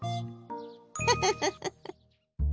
フフフフッ。